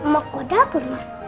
mau koda apa